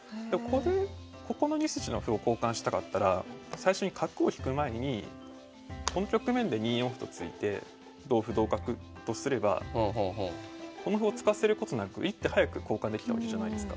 ここの２筋の歩を交換したかったら最初に角を引く前にこの局面で２四歩と突いて同歩同角とすればこの歩を突かせることなく１手早く交換できたわけじゃないですか。